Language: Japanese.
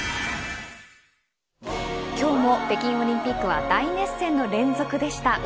今日も北京オリンピックは大熱戦の連続でした。